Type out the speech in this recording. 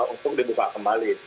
untuk dibuka kembali